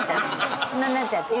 こんなんなっちゃってる。